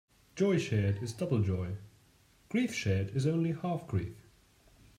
Joy shared is double joy; grief shared is only half grief.